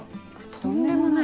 とんでもない？